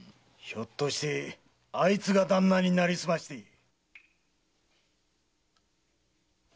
ひょっとしてあいつがだんなになりすまして。